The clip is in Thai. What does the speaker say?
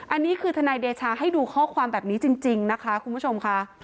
อันนี้คือทนายเดชาให้ดูข้อความแบบนี้จริงนะคะคุณผู้ชมค่ะ